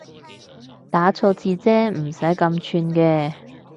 打錯字啫唔使咁串嘅